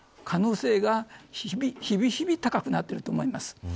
可能性が日々日々高くなっていると思います。